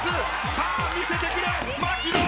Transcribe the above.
さあ見せてくれ槙野。